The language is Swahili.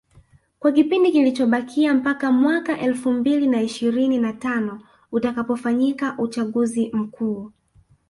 kwa kipindi kilichobakia mpaka mwaka elfu mbili na ishirini na tano utakapofanyika uchaguzi mkuu